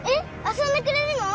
遊んでくれるの？